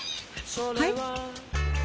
はい？